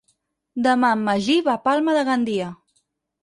Demà en Magí va a Palma de Gandia.